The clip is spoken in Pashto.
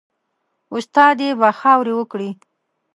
استادي به خاوري وکړې